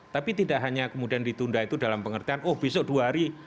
tapi tidak hanya kemudian ditunda itu dalam pengertian oh besok dua hari